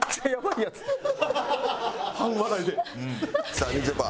さあみちょぱ。